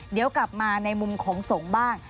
เดี๋ยวกลับมาในมุมของสงฆ์บ้าง